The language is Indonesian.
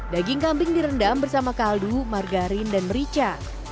daging kambing direndam bersama kaldu margarin dan merica